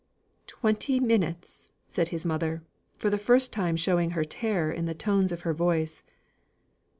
"Twenty minutes!" said his mother, for the first time showing her terror in the tones of her voice.